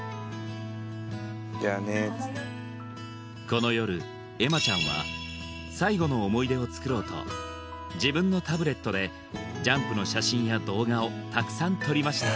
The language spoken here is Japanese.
この夜愛舞ちゃんは最後の思い出をつくろうと自分のタブレットでジャンプの写真や動画をたくさん撮りました